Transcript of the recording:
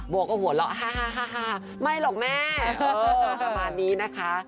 บัวก็หัวเราะฮ่าไม่หรอกแม่ประมาณนี้นะคะ